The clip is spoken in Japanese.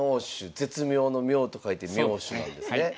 絶妙の妙と書いて妙手なんですね。